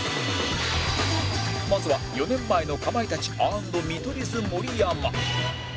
まずは４年前のかまいたち＆見取り図盛山